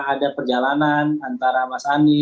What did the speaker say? ada perjalanan antara mas anies